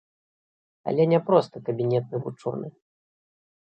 Але не проста кабінетны вучоны.